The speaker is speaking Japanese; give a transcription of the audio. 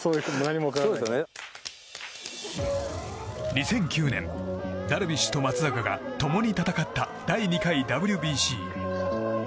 ２００９年ダルビッシュと松坂が共に戦った第２回ＷＢＣ。